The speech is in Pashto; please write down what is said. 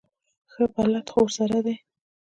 ښه بلد خو ورسره دی.